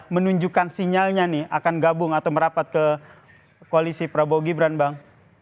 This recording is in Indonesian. menunjukkan sinyalnya nih akan gabung atau merapat ke koalisi prabowo gibran bang